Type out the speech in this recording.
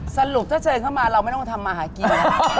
สรุปถ้าเจอกันมาเราไม่ต้องทำมหากีมนะ